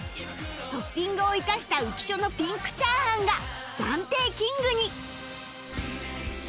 トッピングを生かした浮所のピンク炒飯が暫定キングに！